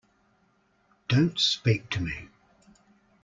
Don't speak to me.